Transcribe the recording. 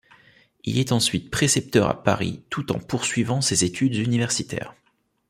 Il est ensuite précepteur à Paris, tout en poursuivant ses études universitaires.